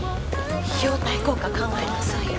費用対効果考えなさいよ